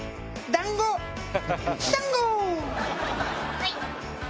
はい。